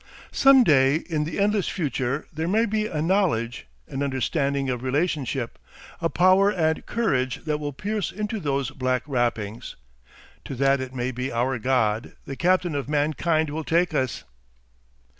Some day in the endless future there may be a knowledge, an understanding of relationship, a power and courage that will pierce into those black wrappings. To that it may be our God, the Captain of Mankind will take us.